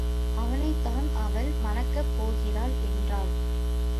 அவனைத்தான் அவள் மணக்கப் போகிறாள் என்றாள்.